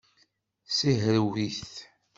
Sihrew-it.